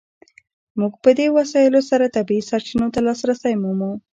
موږ په دې وسایلو سره طبیعي سرچینو ته لاسرسی مومو.